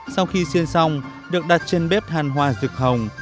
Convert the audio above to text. sau khi xiên xong được đặt trên bếp than hoa dược hồng